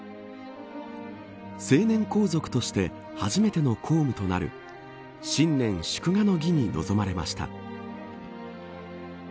成年皇族として初めての公務となる新年祝賀の儀に臨まれました。